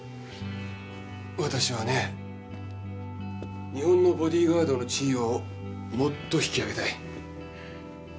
私はね日本のボディーガードの地位をもっと引き上げたい。